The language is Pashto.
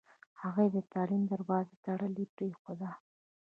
هغوی د تعلیم دروازه تړلې پرېښوده.